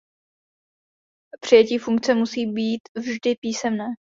Přijetí funkce musí být vždy písemné.